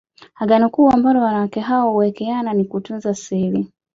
Agano kuu ambalo wanawake hao huwekeana ni kutunza siri